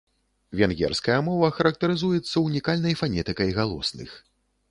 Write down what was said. Венгерская мова характарызуецца ўнікальнай фанетыкай галосных.